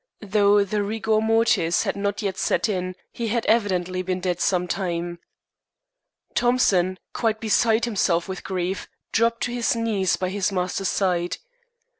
Though the rigor mortis had not set in, he had evidently been dead some time. Thompson, quite beside himself with grief, dropped to his knees by his master's side.